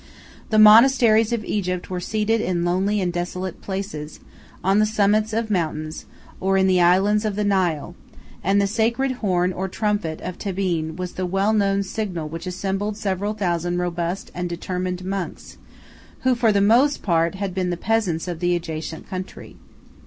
139 The monasteries of Egypt were seated in lonely and desolate places, on the summit of mountains, or in the islands of the Nile; and the sacred horn or trumpet of Tabenne was the well known signal which assembled several thousand robust and determined monks, who, for the most part, had been the peasants of the adjacent country.